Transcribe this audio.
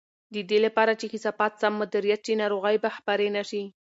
د دې لپاره چې کثافات سم مدیریت شي، ناروغۍ به خپرې نه شي.